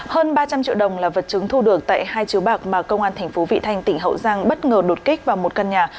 hơn ba trăm linh triệu đồng là vật chứng thu được tại hai chứa bạc mà công an thành phố vị thanh tỉnh hậu giang bất ngờ đột kích vào một căn nhà